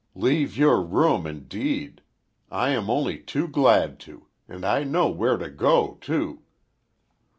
"Leave your room, indeed! I am only too glad to! And I know where to go, too."